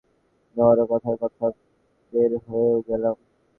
ধরো কথার কথা, বের হয়েও গেলাম!